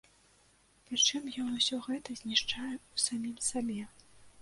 Прычым ён усё гэта знішчае і ў самім сабе.